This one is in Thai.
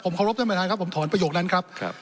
ขอรบท่านประธานครับผมถอนประโยคนั้นครับ